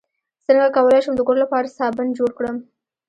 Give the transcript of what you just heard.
څنګه کولی شم د کور لپاره صابن جوړ کړم